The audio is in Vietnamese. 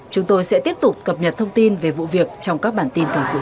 chúng tôi sẽ tiếp tục cập nhật thông tin về vụ việc trong các bản tin tháng xưa sau